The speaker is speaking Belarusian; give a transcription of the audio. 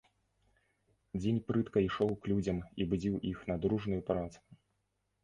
Дзень прытка ішоў к людзям і будзіў іх на дружную працу.